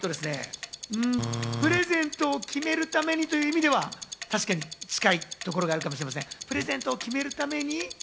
プレゼントを決めるためにという意味では確かに近いところがあるかもしれません。